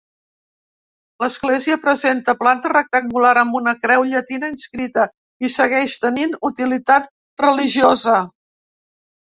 L'església presenta planta rectangular, amb una creu llatina inscrita, i segueix tenint utilitat religiosa.